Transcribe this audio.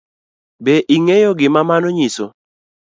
Be ing'eyo gima mano nyiso?